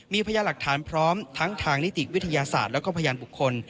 มีพยาหลักฐานพร้อมทั้งทางนิติวิทยาศาสตร์แล้วก็พยานบุคคล